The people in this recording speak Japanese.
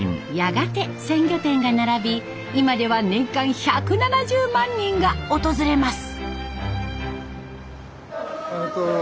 やがて鮮魚店が並び今では年間１７０万人が訪れます。